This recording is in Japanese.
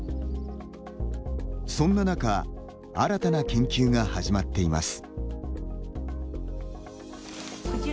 そんな中、新たな研究が始まっています。